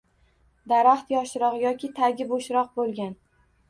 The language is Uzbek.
Daraxt yoshroq yoki tagi bo‘shroq bo‘lgan